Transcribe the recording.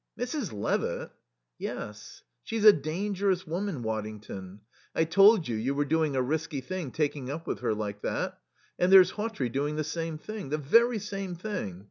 "Mrs. Levitt!" "Yes. She's a dangerous woman, Waddington. I told you you were doing a risky thing taking up with her like that.... And there's Hawtrey doing the same thing, the very same thing....